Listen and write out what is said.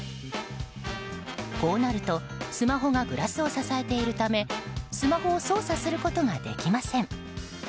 こうなるとスマホがグラスを支えているためスマホを操作することができません。